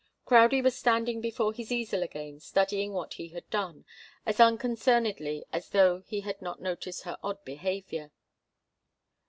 Crowdie was standing before his easel again, studying what he had done, as unconcernedly as though he had not noticed her odd behaviour.